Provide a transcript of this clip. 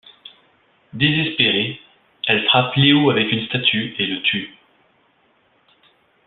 Désespérée, elle frappe Leo avec une statue et le tue.